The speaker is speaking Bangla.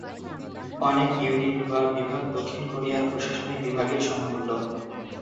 অনেক ইউনিট বা বিভাগ দক্ষিণ কোরিয়ার প্রশাসনিক বিভাগের সমতুল্য।